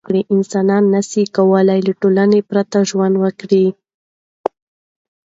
انسان نسي کولای له ټولنې پرته ژوند وکړي.